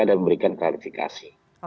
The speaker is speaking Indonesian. dan memberikan klarifikasi